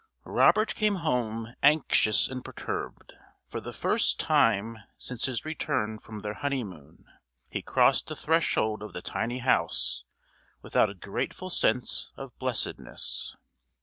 _ Robert came home, anxious and perturbed. For the first time since his return from their honeymoon he crossed the threshold of the tiny house without a grateful sense of blessedness.